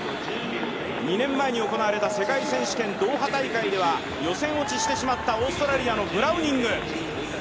２年前に行われた世界選手権ドーハ大会では予選落ちしてしまったオーストラリアのブラウニング。